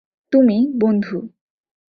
তুমি, বন্ধু।